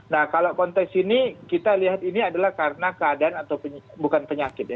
nah kalau konteks ini kita lihat ini adalah karena keadaan atau bukan penyakit ya